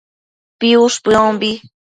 piush bëombi